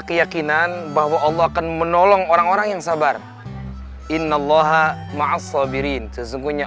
keyakinan bahwa allah akan menolong orang orang yang sabar inna allaha maassabirin sesungguhnya